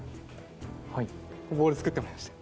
ボール作ってもらいました。